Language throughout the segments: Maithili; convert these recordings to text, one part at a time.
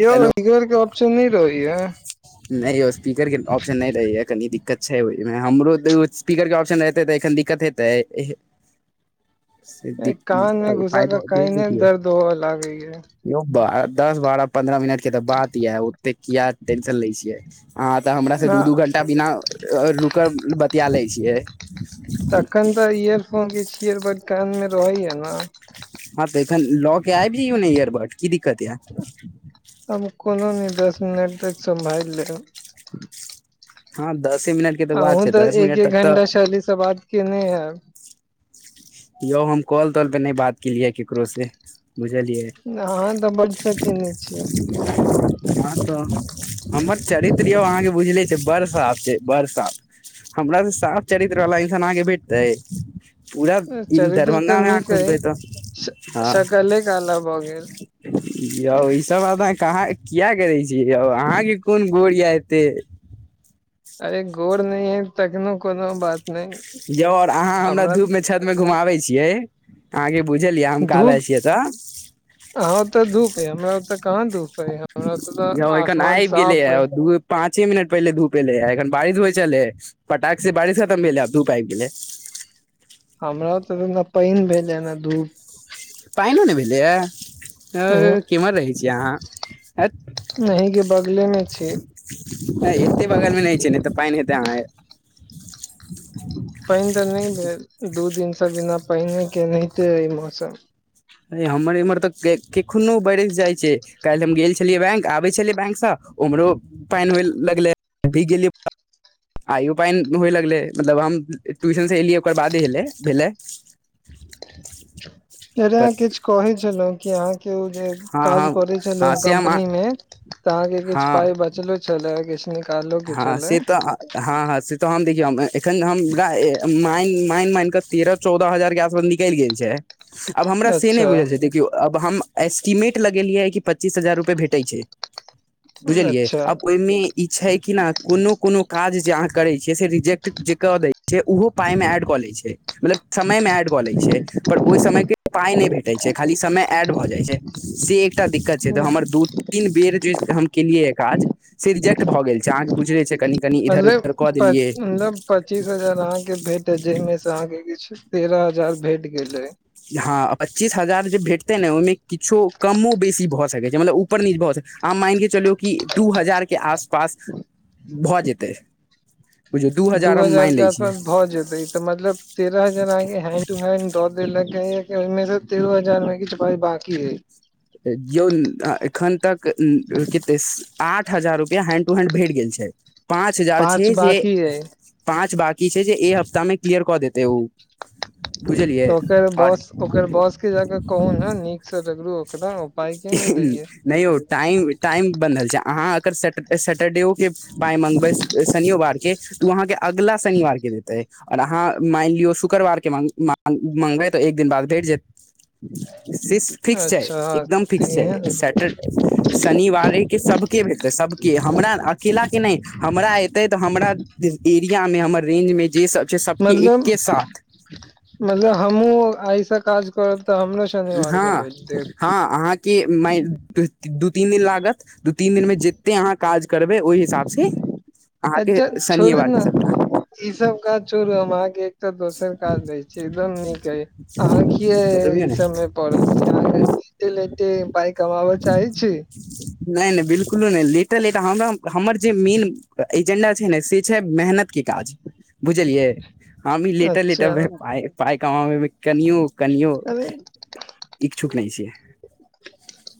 यौ हेलो इस्पीकर के ऑप्शन नै रहै यै नै यौ स्पीकर के ऑप्शन नै रहै यै कनी दिक्कत छै, ओ हमरो स्पीकर के ऑप्शन रहतै तऽ एखन दिक्कत हेतै सेइ दिक् कान मे घुसा के पाइभेज काने देतियै दर्द होअ लागैये यौ बा दस बारह पन्द्रह मिनट के तऽ, बात य ओते किया टेंशन ले छिय, अहाँ तऽ हमरा से ना दू -दू घण्टा बिना रुकल बतिया ले छियै। तखन तऽ इयरफोन के इयरबर्ट ब कान मे रहैया न हाँ तऽ एखन लऽ के आब जइयौ ने एयरबर्ट की दिक्कत यऽ, हम कोनो नै दस मिनट तक सभैल लैब हाँ दसे मिनट के बात अहूँ छै तऽ दस एक मिनट एक तक तऽ घण्टा सहलीसँ बात केनै हैब यौ हम कॉल तौल प नै बात केलियै केकरो से बुझलियै हम तऽ बडसँ केनै छियै, [unintelligible] हाँ तऽ हमर चरित्र यौ अहाँके बुझले छै, बड़ साफ छै, बड़ साफ हमरासँ साफ चरित्रवाला इन्सान अहाँके भेटतै पूरा ई चरित्र तऽ दरभंगा मे अहाँ नीक ऐ खोजबै तऽ हँ सकले कला भऽ गेल यौ ई सब बात अह कहाँ किया करै छिय यौ, अहाँके कोन गोर य एतै। अरे गोर नै यै, तखनो कोनो बात नहि यौ और अहाँ हमरा धूप मे छत में घुमाबे छियै। अहाँके बुझलयै हम काला छियै तऽ आहाँ उतै धूप यै हमरा ओते कहाँ धूप है हमरा ओतै आसमान साफ अइ पाँंचे मिनट पहिले धूप एले है, एखन बारिश होइ छल फटाकख से बारिश खतम भेल है, आब धूप आब गेलइ हमरा ओते नै पैन भेल है, नै धूप पैनओ नै भेलैए है उहूं किम्हर रहै छिय अहाँ हट नही के बगले मे छी एयों एतेक बगलमे नै छै, ने तऽ पैन हेतै आ पैन तऽ नै भेल दू दिन से बिना पाइन केनाहिते रहय मौसम हमर एम्हर तऽ, कखनो बरइस जाइ छै। काइल हम गेल छलियै बैंक आबै छलियै बैंकसँ उम्हरो पैन हो लगलै भीग गेलियै आइयो पैन होइ लगलै मतलब हम ट्यूशन से एलियै ओकर बादेे होलै भेलै। अरे अहाँ पर किछु कहै छलौं कि अहाँके ओ जे हँ हँ काज करै छलौं हँ से हम कम्पनी में त अहाँ के किछु हँ पाइ बचलो छल्ला? किछ निक हँ से तऽ, अ-हँ-हँ से तऽ हम देखियौ हम एखन हम रा ए-माइन-माइन-माइन क तेरऽ चौदऽ हजार के आसपास निकैल गेल छै। आब हमरा से नैय अच्छा बुझल छै, देखियौ आब हम आइस्टीमेट लगेलियै कि पच्चीस हजार रुपए भेटै छै, बुझलियै? अच्छा आब ओई में ई छै किना कोनो कोनो काज जे अहाँ करै छियै से रिजेक्ट जे क दै छै, ऊहो पाई मे ऐड कऽ लै छै। मतलब समय मे एड कऽ लै छै, पर ओई समय के पाय नैय भेटै छै, खाली समय ऐड भऽ जाइ छै। से एकटा दिक्कत छै, तऽ हमर दू तीन बेर जे हम केलियै यैऽ काज से रिजेक्ट भऽ गेल चा अहाॅं क बुझले छै कनी-कनी मतलब इधर-उधर कऽ प- देलियै। मतलब पच्चीस हजार अहाँ के भेटत, जैइ में स अहाँ के किछु तेरऽ हजार भेट गेल अइ। हँ पच्चीस हजार जे भेटतै न ओइ में किछो कमो बेसी भऽ सकै छै, मतलब ऊ पर-नीच भऽ सक्, अहॉं माईन के चलु कि दू हजार के आसपास भऽ जेतै। बुझियौ दू हम हजार मानि के लै छियै आसपास भऽ जेतै? तऽ मतलब तेरऽ हजार अहॉं के हैंड टू हैंड दऽ देलकैऽ कि ओई में स तेरहो हजार में किछ पाइ बांकी अइ। अ-जौन आ-एखन तकऽ-उम्म्-खेतैस आठ हजार रुपिआ हैंड टू हैंड भेट गेल छै, पाँच हजार छै जे बाकी अइ पाँच बाकी छै, जे ए हप्ता में क्लियर कऽ देतै ऊ। तऽ ओकर बॉस ओकर बॉस के जाकऽ कहौ न नीक स रगरू। नैय यौ टाइम-टाइम बनहल छै, अहाँ एकर स सट्टरडेओ के पाय मंगबै स-सनियो बार के तऽ ऊ अहाँ के अगला सनिवार के देतै, और अहाँ माइन लि कियो शुकरबार के मांग-मांग-मंगबै तऽ एक दिन बाद भेट जेत, सिस फिक्स छैय। अच्छा एकदम फिक्स छै, तेहन सैटर शनिवारे के सबके भेटतै सबके, हमरा अकेला के नैय, हमरा ऐतै तऽ हमरा [unintelligible] एरिया में हमर रेंज में जे सब छै सबके मतलब? एके साथ मतलब हमहुँ आइ स काज करव तऽ हमरो शनिवार क भेज देत? के? माइ-दू-ती-दू तीन दिन लागत, दू तीन दिन में जे ते अहाँ काज करबै, ओई हिसाब से अहाँ के अच्छा छोड़ू सनियेवार के ने सबटा ई सब काज छोड़ू, हम आहाँके तऽ दोसर काज दै छी, एकदम नीक अइ, अहॉं कियैऽ बतबियौ ई ने सब में परल छी, अहॉं लेटे-लेटे पाइ कमाबऽ चाहै छी? ह नैय-नैय, बिलकुलो नैय लेटल-लेटऽ हमरा, हमर जे मेन एजेंडा छै ने से छै मेहनत के काज, बुझलियै? हमी लेटल-लेटऽ अच्छा में पा-पाइ कमामै में कनियों- कनियों अरे इक्छूक नैय छीयै।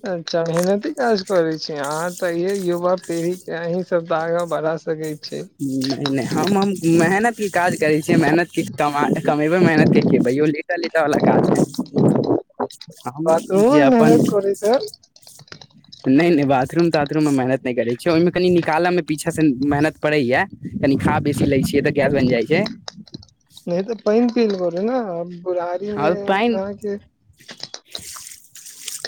अच्छा मेहनती काज करै छी अहाँ तऽ ये युवा पीढ़ीे के अहीं सब त आगाँ बढ़ा सकै छी नैय-नैय हम-हम मेहनत की काज करै छियै, मेहनत के-कमा-कमेबै, मेहनत के खेबै, यो लेटल-लेटल वला काज नै हम जे अपन हे नैय- नैय बाथरूम ताथरूम मे मेहनत नै करै छि ओहिमे कनी निकालऽ मे पीछा से मेहनत पड़ैया। कनी खा बेसी लै छियै तऽ गैस बैन जाय छै। नै तऽ पैन पील बोलेै नऽ पुराय- हँ पैन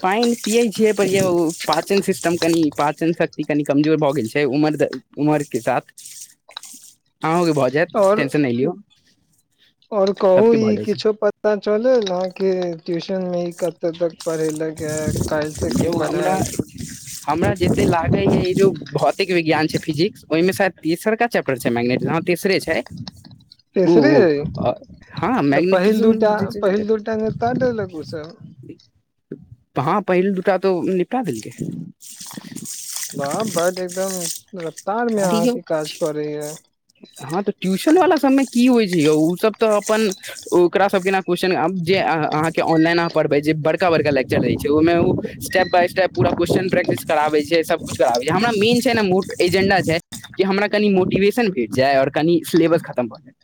पैन पियै छियै पर यौ पा- पाचन सिस्टम कनि पाचन शक्ति कनि कमजोर भऽ गेल छै उमर- उमर के साथ- अहों के भऽ जेएत आओर टेंशन नै लियौ सबके भऽ जाय छै। ता तऽ चलल आहाँके ट्यूशन में ई कऽ। कतऽ तक पड़ेलक ए कैल से छै की यौ हमरा पढ़ेत? हमरा जते लागैए ई जो भौतिक विज्ञान छै फिजिक्स ओय में शायद- तीसरका चैप्टर छै मैग्नेट न तीसरे छै। उ तेसरे अइ अ हँ मैग्नेटिजम जे छै। तट लगु उ सब- हँ पहिल दूटा तो निपटा देलकै। बाह बड एकदम रफ्तार में अरे यौ आहाँके काज करैया। हँ तऽ ट्यूशन वला सब में की होय छै यौ उ सब तऽ अपन- ओकरा सबके एना क्वेश्चन आब जे आहाँ आहाँके ऑनलाइन आहाँ पढ़बै जे बड़का-बड़का लेक्चर रहै छै ओ में उ स्टेप- बाय स्टेप पूरा क्वेश्चन प्रैक्टिस कराबै छै सबकुछ कराबै हमरा मेन छै न मुड एजेंडा। छै जे हमरा कनि मोटिवेशन भेट जाय और कनी सिलेबस खत्म भऽ जाय।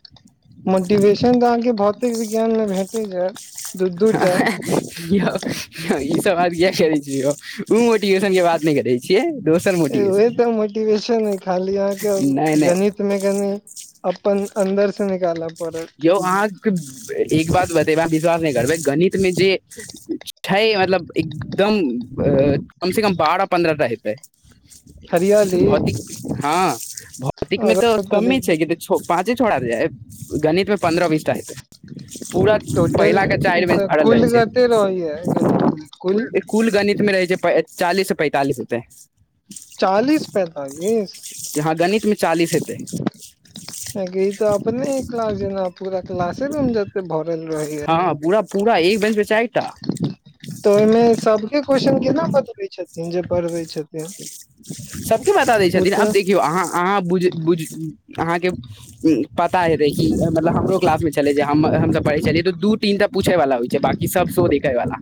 मोटिवेशन तऽ आहाँके भौतिक विज्ञान में भेटे जेएत। आ हैं-ह यौ हँ इ सब बात किया करै छी यौ उ मोटिवेशन के बात नै करै छियै। दोसर उहे मोटिवेशन तऽ मोटिवेशन खाली आहाँके नहि नहि गणित। में कनी अप्पन अन्दर सऽ निकालब। यौ आहाँके एक बात बतेबाक आहाँ विश्वास नै करबै गणित में जे। छै मतलब एकदम अ-अ कम से कम बारह पन्द्रह टा हेतै। हरियाली भौतिक हँ भौतिक में आओर तऽ तनि कम्मे छै कि तऽ [unintelligible] पाँचे छोड़ा रहै गणित में पन्द्रह बीस टा हेतै। पूरा टोटल पहिला के चाइर बेंच भरल रहै कुल छै। कते रहैया कुल गणित में रहै छै पै चालीस सऽ पैंतालिस हेतै। चालीस पैंतालीस यहाँ गणित मे चालीस हेतै ऐं गै ई तऽ अपने क्लास जेना पूरा क्लासे रूम जत्तेै भरल। रहैया हँ पूरा-पूरा एक बेंच पे चाइटा। तऽ ओय में सबके क्वेश्चन केना बतबै छथिन जे पढ़बै छथिन। सबके बता दै ओ छथिन आब देख- तऽ देखियौ आहाँ -आहाँ बुझ -बुझ आहाँ के पता हेतै की मतलब हमरो क्लास में छे। छेलै जे हम हमसब पढ़ै छेलियै तऽ दू तीन टा पूछै वला होइ छै बाकी सब शो देखै वाला।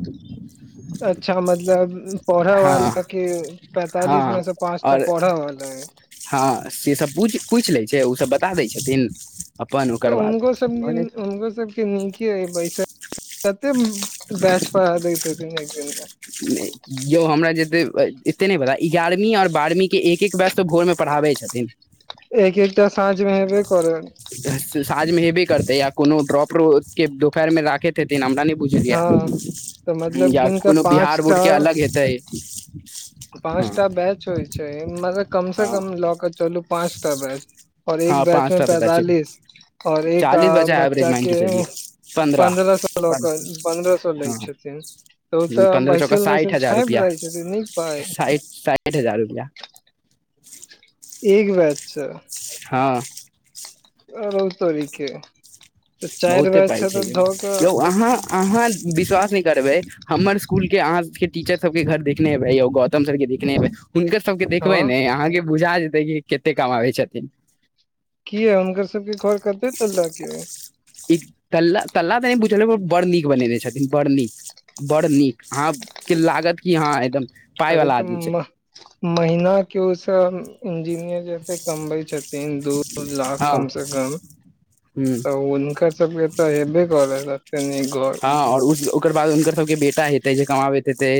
अच्छा मतलब पढ़ऽ हँ वाला के पैंतालिस हँ में से पांचटा आओर पढ़ऽ वाला ऐ। हँ सेसब पूछ पूइछ लै छै ओसब बता दै छथिन। अपन तऽ ओकर बाद उनको सबके भऽ उनको सब- नीके अय बैसल कत्ते बैच पढ़ा दैत हेथिन एक दिन में? यौ हमरा जे एते एत्ते नै पता एगारमीं और बारमीं के एक एक बैच तऽ भोर में। पढ़ाबै छथिन। एक - एकटा साँझ में एबे करत। साँझ में हेबे करतै या कोनो ड्रॉपरो के दुपहर में राखै त हेथिन हमरा नै बुझल ये हँ तऽ हम्म मतलब गिन जाक कऽ कोनो पाँच केतय? पाँसटा बैच होइ छै मलऽ कम स हँ कम लऽ कऽ चलू पाँस टा बैच। औ एक हँ बैच पाँच टा में पता छै पैंतालिस और एक आ चालीस बचा एवरेज बच्चा मान के चलियए पन्द्रह सौ लऽ कऽ पन्द्रह सौ लै हँ छथिन। तऽ ओ तऽ बैसल-बैसल छापि दै छथिन ने। साइठ -साइठ हजार रुपया। एक वैज छ हँ। अरौ तोरि के। तऽ चारि बहुते बैच पाय छै तऽ यौ, धऽ कऽ यौ अहाँ- अहाँ विश्वास नै करबै। हमर स्कुल के, अहाँ के टीचर सब के घर देखने हेबय यौ गौतम सर के देखने हेबै। हुनकर सबके हँ देखबै ने, अहाँके बुझा जेतै कि कते कामाबै छथिन। कीया हुनकर सबके घर कत्ते तल्ला के ये? इ तल्ला- तल्ला त नै बुझल अइ बड़ नीक बनेने छथिन, बड़ नीक। बड़ नीक, अहाँके लागत कि हँ, एकदम पाय अरे वाला तऽ, आदमी छै मह- महीना के ओ सब इंजीनियर, जते कमबै छथिन दू लाख हँ कम स कम ह तऽ हुनकर सबके तऽ हेबे करत। हँ, और ओकर बाद हुनकर सबके बेटा हेतै जे कमाबैत हेतै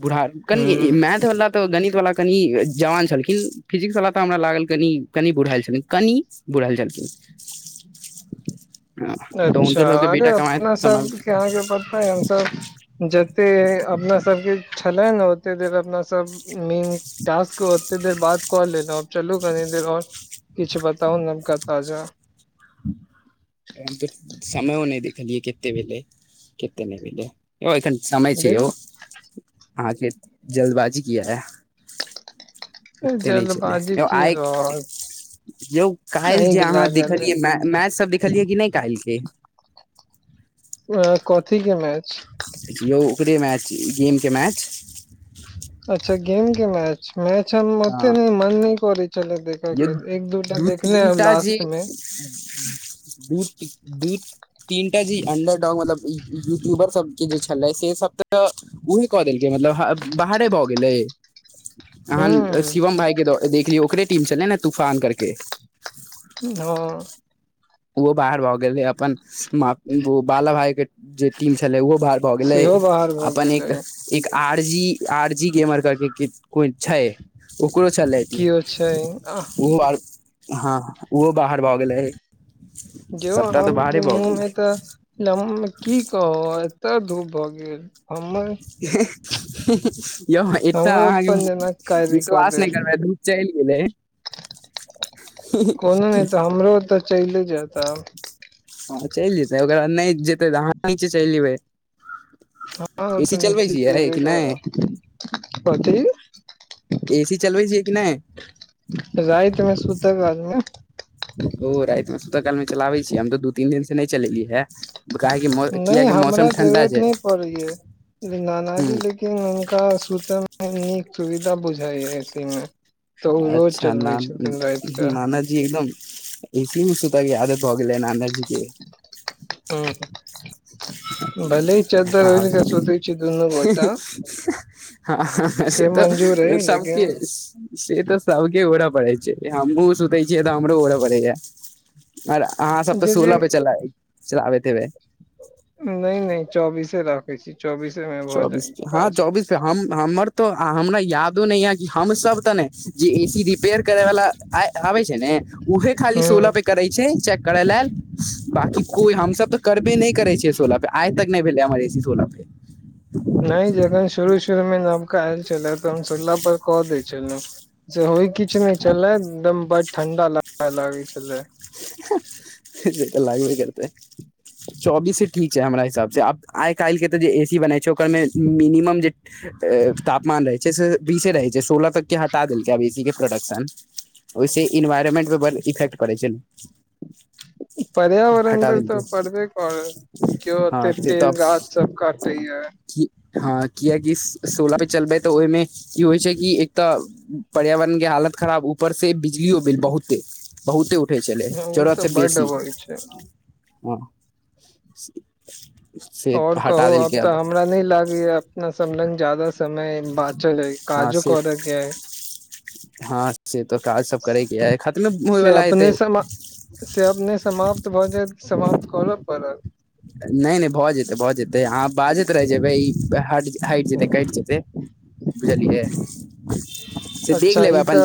बूढ़ा कनिये इ ह मेएथ बला तऽ, गणित वाला कनी जवान छलखिन फिजिक्स बला तऽ हमरा लागल कनि कनी बुढ़ाएल छलखिन कनी बुढ़ाएल छलखिन। हँ तऽ अच्छा, हुनकर सबके अरे बेटा कमाइत अपना कमाबैत सबके अहाँके हमसब, जते अपना सबके छलेए ने, ओते देर अपना सब मीन, टास्क ओते देर बात कऽ लेलौ। चलू कनी देर और, किछ बताउ नबका ताजा। हम तऽ समयओ नै देखलियै, केते भेलै, केते नै भेलै।, यौ, एखन समय छै यौ। देखू अहाँके जल्दबाजी किया एह। ओते नै छलै जल्दबाजी यौ की आइ, रहत यौ काइल्ह अहीं जे के अहाँ लागल देखलियै मे मैच सब, देखलियै कि नै काइल्ह के? अ, कथी के मैच? यौ, ओकरे मैच गेम के मैच। अच्छा, गेम के मैच, मैच हम हँ ओते नै मन नै करै छलेए देख यौ, दू तीन टा जे मे दू - दू तीन टा, जे अंडर डाॅग मतलब यूट्यूबर सबके जे छलै से सब तऽ उहे कऽ देलकै मतलब हा-बाहरे भऽ गेलै। अहां हूँ शिवम भाइ के द- देखलियौ ओकरे टीम छलै ने, तूफान करके। हँ। ओहो बाहर भ गेलै, अपन मा ब बाला भाई के जे टीम छलै ओहो बाहर भ गेलै, सेहो बाहर भऽ अपन गेलै एक एक R G, R G gamer कर के कोई छैय ओकरो छलै केओ छै आह ओहो बाहर हँ ओहो बाहर भ गेलै। जो सभटा तऽ बाहरे हमके भऽ मुँहमे गेलै त की कहब एतऽ धूप भ गेल हमर ह, यौ एतऽ हमरो अपन अहाँके जेना कारी कऽ विश्वास नै देब करबै धूप चइल गेलै। कोनो नै त हमरो त चैले जैत आब। हँ चैल जेतै ओकरा नै जेतै त अहाँ नीचे चैल जेबै। हँ ओ ए सी त चलबै निश्चित छियै जैबे कि नहि करब कथी। ए सी चलबै छियै कि नहि राइतमे सुतऽ काल मे ओ रातिमे सुतय कालमे चलाबै छियै, हम त दू तीन दिन से नै चलेलियै हे। काहे की नै हमरा जरूरत नै पड़ैये नानाजी ह लेकिन लेकिन हुनका सुतयमे नीक सुविधा बुझाइयेझ ए-सी मे। त ओ रोज अच्छा न चलबै छथिन राइत क। नानाजी एकदम ए-सी मे सुतयके आदत भ गेलै नानाजी के। ह। भले ही चद्दर हँ ओइढ़के सुतय छी दुनू गोटा हँ से त मंजूर अइ सबके लेकिन से त सबके ओढ़ऽ पड़ै छैय हमहुँ सुतै छियै त हमरो ओढ़ऽ पड़ैये। और अहाँ सब त जे जे सोलह पे चला चलाबैत हेबय। नै- नै चौबीसे राखै छी चौबीसे मे भ चौबीस जाय पे हँ काज। चौबीस हम हमर तो हमरा यादो नै य कि हमसब त ने जे ए- सी रिपेयर करे वाला आय आबै छैय ने उहे खाली हूँ सोलह पे करै छैय चेक करै लेल बाकि कोई हमसब त करबे नै करै छियै सोलह पे आइ तक नै भेलै हमर एसी सोलह पे। नै जखन शुरू-शुरूमे न आयल छले त हम सोला पर कऽ दै छलौं से होइ कि किछ नै छले एकदम बडड ठंडा ला लागे छलै। से त लागबे करतै। चौबीसे ठीक छैय हमरा हिसाब से, आब आइ काइलके त जे ए- सी बनै छैय ओकरमे मिनिमम जे तापमान रहै छैय से बीसे रहै छैय सोलह तक के हटा देलकै अब ए-सी के प्रोडक्शन। ओय से इन्वायरमेंटपर बडड इफेक्ट पड़ै छैय। पर्यावरण पर त पड़बे करत केओ हँ ओते से पेड़ तऽ गाछ सब काटे य। हँ कियेकि सोलह पे चलबै त ओयमे की होइ छैय कि एक त पर्यावरणके हालत खराब ऊपर से बिजलियो बिल बहुते बहुते उठै छलै ओ जरूरत से तऽ बड बेसी होइ छै हँ। से और हटा कहु आब देलकै त अब हमरा नै लागै या अपना सब लग जादा समय बाचल अय। हँ काजो से करऽ के अय। हँ से त काज सब करैके अय, खत्मे होइ से वला हेतै। अपने समा से अपने समाप्त भ जैत कि समाप्त करऽ पड़त। नै- नै भ जेतै, भ जेतै अहाँ बाजैत रहि जेबै इ हट हइट जेतै कइट जेतै बुझलियै से देख अच्छा लेब ई अपन तऽ जे